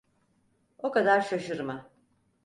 O kadar şaşırma.